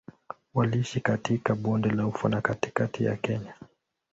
Waliishi katika Bonde la Ufa na katikati ya Kenya.